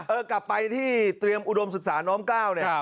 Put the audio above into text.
กลับไปที่เตรียมอุดมศึกษาน้อมกล้าวเนี่ย